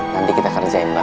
nanti kita kerjain lah